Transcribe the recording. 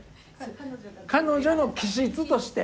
彼女の気質として。